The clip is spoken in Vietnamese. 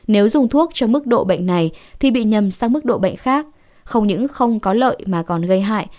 nếu dùng thuốc cho mức độ bệnh này thì bị nhầm sang mức độ bệnh khác không những không có lợi mà còn gây hại